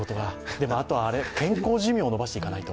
でもあとは健康寿命を延ばしていかないと。